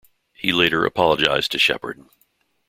He later apologised to Sheppard.